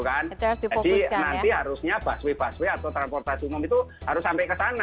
jadi harusnya busway busway atau transportasi umum itu harus sampai ke sana